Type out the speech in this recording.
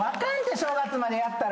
正月までやったら。